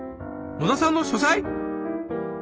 野田さんの書斎？